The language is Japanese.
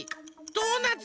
ドーナツ。